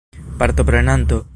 partoprenanto